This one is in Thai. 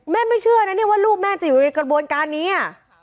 ไม่เชื่อนะเนี่ยว่าลูกแม่จะอยู่ในกระบวนการนี้